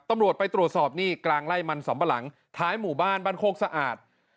ตำรวจไปตรวจสอบนี่กลางไล่มันสำปะหลังท้ายหมู่บ้านบ้านโคกสะอาด